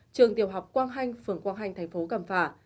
trường tiểu học quang hanh phường quang hanh thành phố cẩm phả